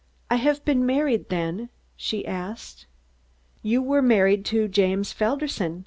"I have been married, then?" she asked. "You were married to James Felderson.